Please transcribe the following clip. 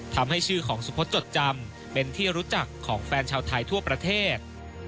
ทำให้ชื่อของสุพธจดจำเป็นที่รู้จักของแฟนชาวไทยทั่วประเทศ